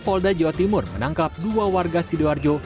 polda jawa timur menangkap dua warga sidoarjo